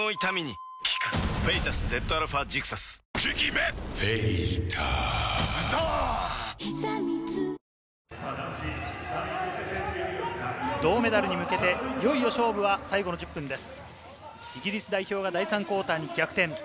まだキー銅メダルに向けて、いよいよ勝負は最後の１０分です。